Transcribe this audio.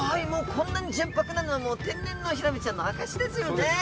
もうこんなに純白なのは天然のヒラメちゃんの証しですよね！